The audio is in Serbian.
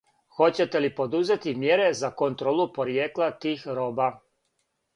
Хоћете ли подузети мјере за контролу поријекла тих роба?